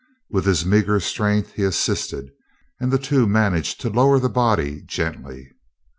With his meager strength he assisted, and the two managed to lower the body gently.